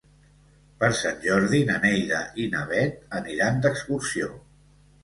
Per Sant Jordi na Neida i na Bet aniran d'excursió.